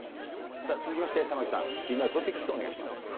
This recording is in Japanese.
さあ、続きまして玉城さん、気になるトピックスをお願いします。